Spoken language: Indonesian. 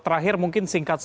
terakhir mungkin singkatnya